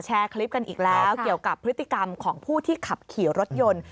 แชร์คลิปกันอีกแล้วเกี่ยวกับพฤติกรรมของผู้ที่ขับขี่รถยนต์